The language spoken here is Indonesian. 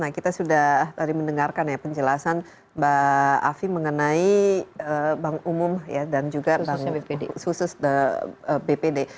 kita sudah tadi mendengarkan penjelasan mbak afi mengenai bank umum dan juga sususnya bpd